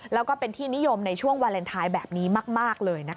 แล้วก็เป็นที่นิยมในช่วงวาเลนไทยแบบนี้มากเลยนะคะ